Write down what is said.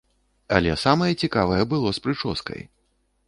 Але самае цікавае было з прычоскай.